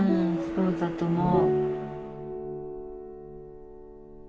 そうだと思う。